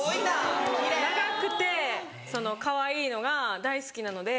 長くてかわいいのが大好きなので。